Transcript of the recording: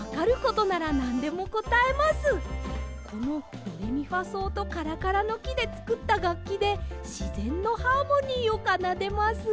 このドレミファそうとカラカラのきでつくったがっきでしぜんのハーモニーをかなでます。